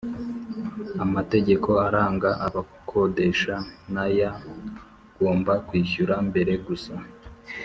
amategeko aranga abakodesha naya ugomba kwishyura mbere gusa